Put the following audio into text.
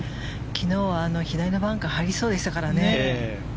昨日は左のバンカーに入りそうでしたからね。